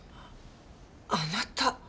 あなた！